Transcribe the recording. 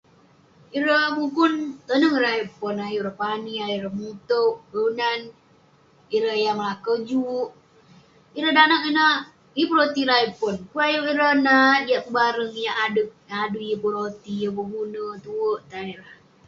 Ireh mukun toneng ayuk pon ayuk ireh pani ayuk ireh mutuek kelunan ireh yah melakau juk ireg danag yeng pun roti ayuk nat pon pun ayuk ireh nat yah pebareng yah adeg yah adui yeng pun roti yeng pun gune tuak tan ireh